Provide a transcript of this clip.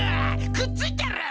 くっついてる？